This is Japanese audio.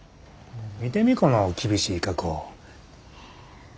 見てみこの厳しい加工。